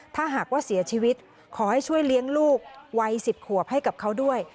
ถ้าหากว่าเสียชีวิตขอให้ช่วยเลี้ยงลูกวัย๑๐ขวบให้กับเขาด้วย